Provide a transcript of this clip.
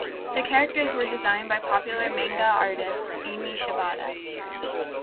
The characters were designed by popular manga artist Ami Shibata.